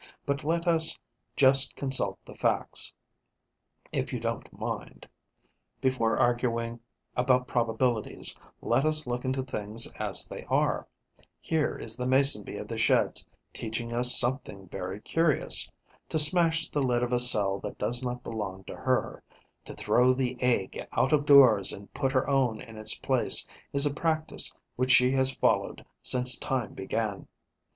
But let us just consult the facts, if you don't mind; before arguing about probabilities, let us look into things as they are. Here is the Mason bee of the Sheds teaching us something very curious. To smash the lid of a cell that does not belong to her, to throw the egg out of doors and put her own in its place is a practice which she has followed since time began.